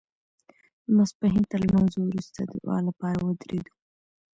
د ماسپښین تر لمانځه وروسته د دعا لپاره ودرېدو.